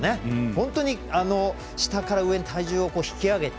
本当に下から上に体重を引き上げて。